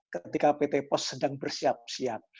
ketika pt pos sedang bersiap siap